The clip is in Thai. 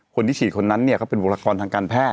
คนที่ฉีดคนนั้นเขาเป็นบริษัททางการแพทย์